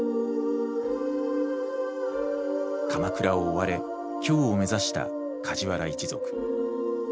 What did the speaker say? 鎌倉を追われ京を目指した梶原一族。